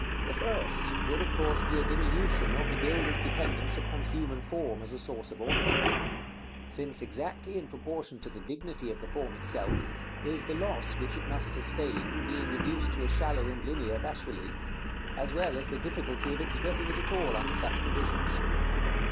§ XXXVIII. The first would of course be a diminution of the builder's dependence upon human form as a source of ornament: since exactly in proportion to the dignity of the form itself is the loss which it must sustain in being reduced to a shallow and linear bas relief, as well as the difficulty of expressing it at all under such conditions.